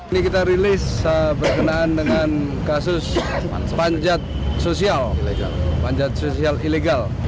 ini kita rilis berkenaan dengan kasus panjat sosial ilegal